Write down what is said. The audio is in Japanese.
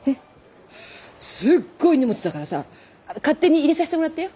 すっごい荷物だからさ勝手に入れさせてもらったよ。